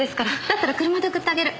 だったら車で送ってあげる。